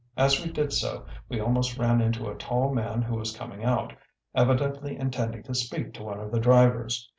As we did so we almost ran into a tall man who was coming out, evidently intending to speak to one of the drivers.